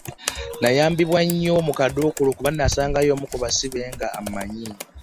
Nayambibwa nnyo mu kaduukulu kuba nasangayo omu ku basibe nga ammanyi.